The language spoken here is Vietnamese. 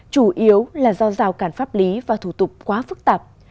chủ yếu là do rào cản pháp lý và thủ tục quá phức tạp